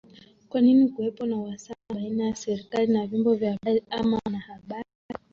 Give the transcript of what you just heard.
kwa nini kuwepo na uhasama baina serikali na vyombo vya habari ama wanahabari